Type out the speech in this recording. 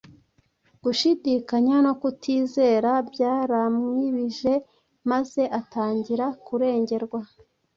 Gushidikanya no kutizera byaramwibije, maze atangira kurengerwa.